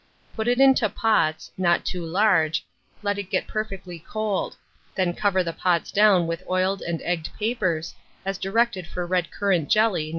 Put it into pots (not too large); let it get perfectly cold; then cover the pots down with oiled and egged papers, as directed for red currant jelly No.